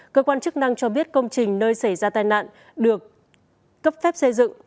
cơ quan chức năng cho biết công trình nơi xảy ra tai nạn được cấp phép xây dựng